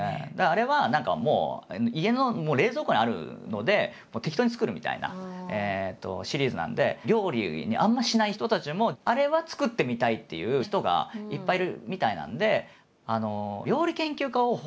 あれは何かもう家の冷蔵庫にあるので適当に作るみたいなシリーズなんで料理あんましない人たちもあれは作ってみたいっていう人がいっぱいいるみたいなんで。